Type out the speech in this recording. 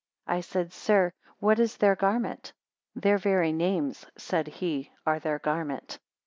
I said, Sir, what is their garment? Their very names, said he, are their garment.